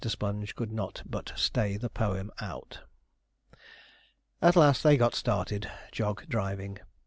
Sponge could not but stay the poem out. At last they got started, Jog driving.